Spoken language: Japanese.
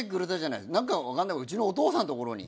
うちのお父さんのところに。